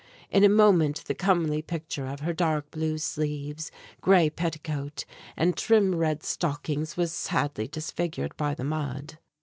In a moment the comely picture of her dark blue sleeves, gray petticoat, and trim red stockings was sadly disfigured by the mud.